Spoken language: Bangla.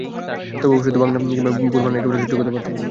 তবে অশুদ্ধ বাক্য কিংবা ভুল বানান একেবারে সহ্য করতে পারতেন না।